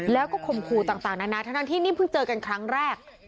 แล้วก็ข่มขู่ต่างนานาทั้งที่นี่เพิ่งเจอกันครั้งแรก